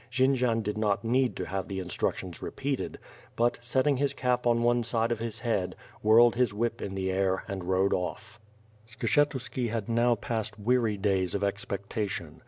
Jendzian did not need to have the instructions repeated; but, setting his cap on one side of his head, whirled his whip in the air, and rode off. Skshetuski had now passed weary days of expectrtion.